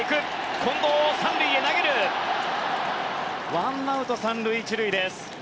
ワンアウト３塁１塁です。